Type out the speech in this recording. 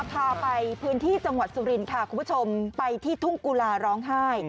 พาไปพื้นที่จังหวัดสุรินค่ะคุณผู้ชมไปที่ทุ่งกุลาร้องไห้